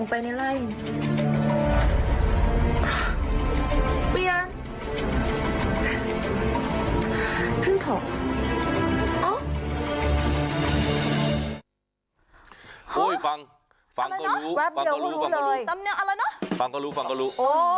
ปุ๊บฟังก็รู้